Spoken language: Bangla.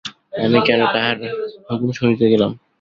আমি কেন তাহার হুকুম শুনিতে গেলাম।